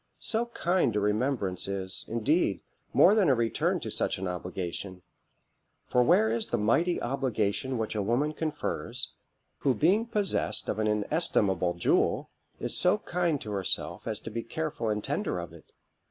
So kind a remembrance is, indeed, more than a return to such an obligation; for where is the mighty obligation which a woman confers, who being possessed of an inestimable jewel, is so kind to herself as to be careful and tender of it?